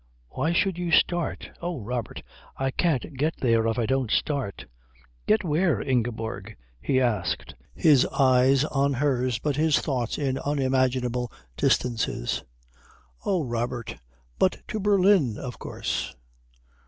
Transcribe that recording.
"Why should you start?" "Oh, Robert I can't get there if I don't start." "Get where, Ingeborg?" he asked, his eyes on hers but his thoughts in unimaginable distances. "Oh, Robert but to Berlin, of course."